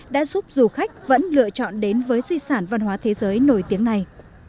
đã giúp du khách vẫn lựa chọn đến với di sản văn hóa thế giới nổi tiếng này